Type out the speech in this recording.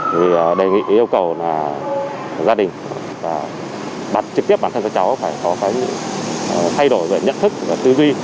vì đề nghị yêu cầu là gia đình bắt trực tiếp bản thân cho cháu phải có cái thay đổi về nhận thức và tư duy